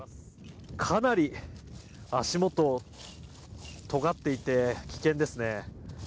かなり足元とがっていて危険ですね。